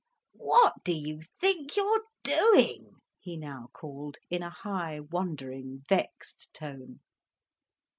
"What do you think you're doing?" he now called, in a high, wondering vexed tone.